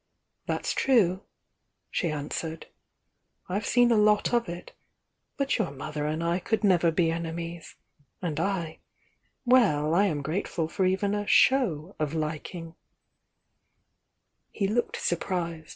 Thats true!" she answered. "I've seen a lot of ^d ?"U?,"''t'"°*''" f"/ I could never be enemies, wid i_weU, I am grateful for even a 'show' of lik He looked surprised.